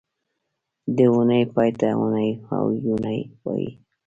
د اونۍ پای ته اونۍ او یونۍ وایي